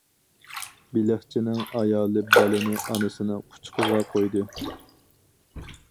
بېلىقچىنىڭ ئايالى بالىنى ئانىسىنىڭ قۇچىقىغا قويدى.